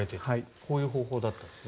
こういう方法だったんですね。